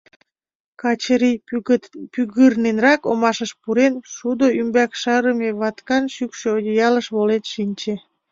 Качырий, пӱгырненрак омашыш пурен, шудо ӱмбак шарыме ваткан шӱкшӧ одеялыш волен шинче.